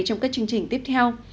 trong các chương trình tiếp theo